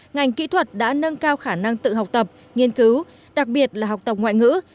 ngành kỹ thuật đã nâng cao khả năng tự học tập nghiên cứu đặc biệt là học tập ngoại ngữ